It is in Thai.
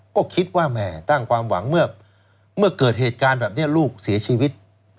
ก็คิดว่าแหมตั้งความหวังเมื่อเกิดเหตุการณ์แบบนี้ลูกเสียชีวิต